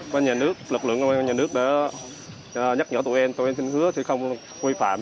các nhà nước lực lượng các nhà nước đã nhắc nhở tụi em tụi em xin hứa sẽ không nguy phạm